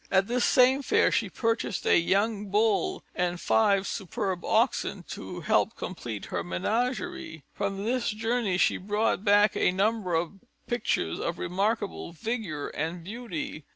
At this same fair she purchased a young bull and five superb oxen, to help complete her menagerie. From this journey she brought back a number of pictures of remarkable vigour and beauty.